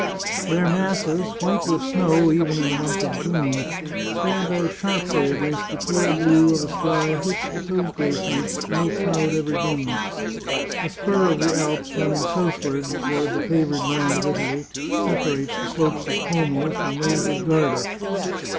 Their masses, white with snow, even in the month of June, stand out sharply against the clear blue of a sky which, at those great heights, no cloud ever dims. A spur of the Alps running southward toward the favoured land of Italy separates the slopes of Como from those of Garda.